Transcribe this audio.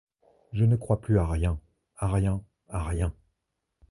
Je ne crois plus à rien, à rien, à rien!